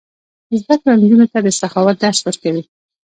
زده کړه نجونو ته د سخاوت درس ورکوي.